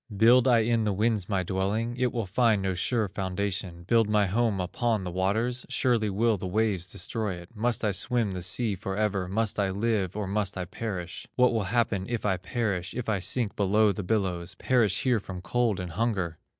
Build I in the winds my dwelling? It will find no sure foundation. Build my home upon the waters? Surely will the waves destroy it. Must I swim the sea forever, Must I live, or must I perish? What will happen if I perish, If I sink below the billows, Perish here from cold and hunger?"